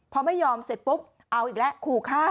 พอไม่ยอมเสร็จปุ๊บเอาอีกแล้วขู่ฆ่า